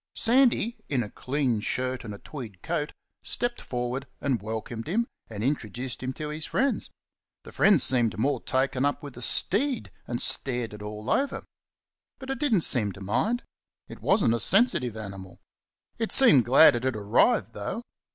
Sandy, in a clean shirt and a tweed coat, stepped forward and welcomed him and introduced him to his friends. The friends seemed more taken up with the steed, and stared it all over. But it didn't seem to mind. It wasn't a sensitive animal. It seemed glad it had arrived, though.